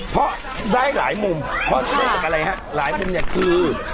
เพราะได้หลายมุมเพราะเลขจากอะไรฮะหลายมุมเนี่ยคือ